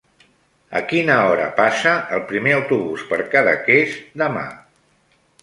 A quina hora passa el primer autobús per Cadaqués demà?